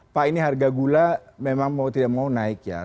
pak ini harga gula memang mau tidak mau naik ya